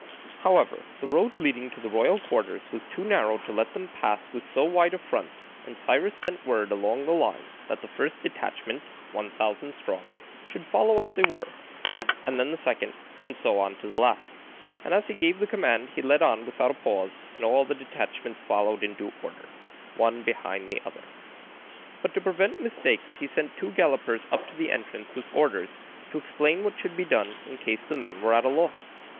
However the road leading to the royal quarters was too narrow to let them pass with so wide a front and Cyrus sent word along the line that the first detachment, one thousand strong, should follow as they were, and then the second, and so on to the last, and as he gave the command he led on without a pause and all the detachments followed in due order, one behind the other. But to prevent mistakes he sent two gallopers up to the entrance with orders to explain what should be done in case the men were at a loss.